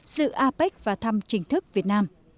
giữ apec và thăm chính thức việt nam